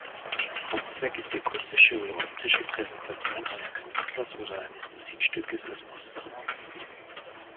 Hauptzweck ist die akustische oder optische Präsentation eines Künstlers oder eines Musikstückes als Muster.